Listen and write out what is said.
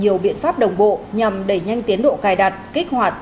nhiều biện pháp đồng bộ nhằm đẩy nhanh tiến độ cài đặt kích hoạt